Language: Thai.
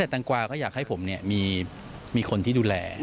แต่ต่างกวาเขาอยากให้ผมมีคนที่ดูแล